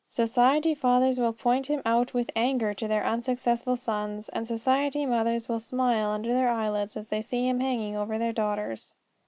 Society fathers will point him out with anger to their unsuccessful sons, and society mothers will smile under their eyelids as they see him hanging over their daughters.